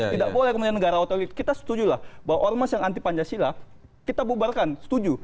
tidak boleh kemudian negara otorium kita setujulah bahwa ormas yang anti pancasila kita bubarkan setuju